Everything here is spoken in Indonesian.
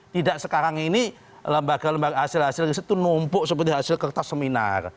tidak sekarang ini lembaga lembaga hasil hasil riset itu numpuk seperti hasil kertas seminar